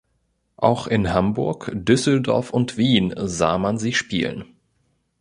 Auch in Hamburg, Düsseldorf und Wien sah man sie spielen.